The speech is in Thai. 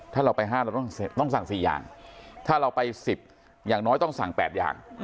ถ้าเราไปห้าเราต้องต้องสั่งสี่อย่างถ้าเราไปสิบอย่างน้อยต้องสั่งแปดอย่าง